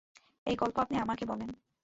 এই গল্প আপনি আমাকে বলেন।